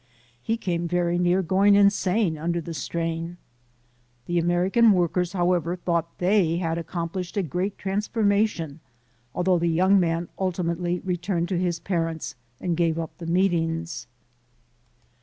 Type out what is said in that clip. He came very near going insane under the strain. The American workers, however, thought they had accomplished a great transforma tion, although the young man ultimately returned to STUMBLING BLOCKS 205 his parents and gave up the meetings.